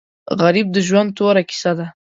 غریب د ژوند توره کیسه ده